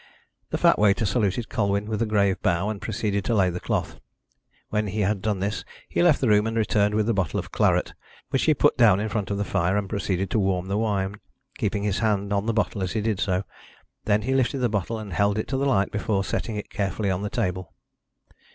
The fat waiter saluted Colwyn with a grave bow, and proceeded to lay the cloth. When he had done this he left the room and returned with a bottle of claret, which he put down in front of the fire, and proceeded to warm the wine, keeping his hand on the bottle as he did so. Then he lifted the bottle and held it to the light before setting it carefully on the table.